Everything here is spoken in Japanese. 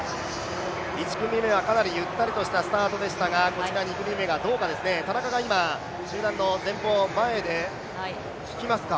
１組目はかなりゆったりとしたスタートでしたがこちら２組目はどうかですね、田中は今、集団の前の方でいきますか？